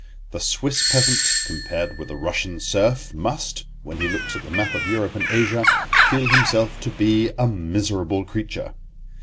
The Swiss peasant, compared with the Russian serf, must, when he looks at the map of Europe and Asia, feel himself to be a miserable creature.